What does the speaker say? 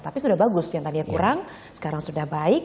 tapi sudah bagus yang tadinya kurang sekarang sudah baik